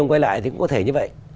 ông quay lại thì cũng có thể như vậy